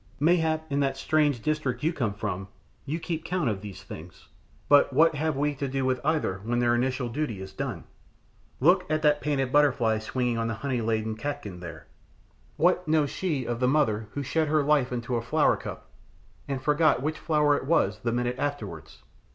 Mayhap in that strange district you come from you keep count of these things, but what have we to do with either when their initial duty is done. Look at that painted butterfly swinging on the honey laden catkin there. What knows she of the mother who shed her life into a flowercup and forgot which flower it was the minute afterwards.